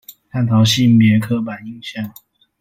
探討性別刻板印象